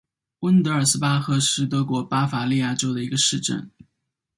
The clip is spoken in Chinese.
温德尔斯巴赫是德国巴伐利亚州的一个市镇。